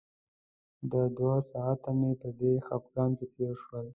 د دوه ساعته مې په دې خپګان کې تېر شول.